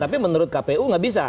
tapi menurut kpu nggak bisa